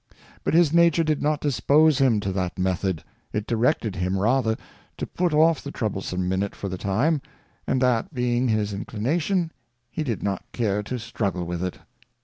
But his Nature did not dispose him to that Method, it directed him rather to put off the troublesome Minute for the time, and that being his Inclination, he did not care to struggle with it.